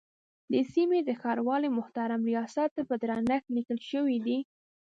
د سیمې د ښاروالۍ محترم ریاست ته په درنښت لیکل شوی دی.